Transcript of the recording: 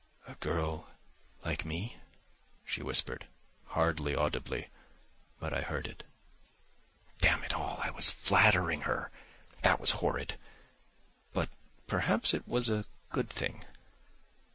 "A girl like me?" she whispered, hardly audibly; but I heard it. Damn it all, I was flattering her. That was horrid. But perhaps it was a good thing....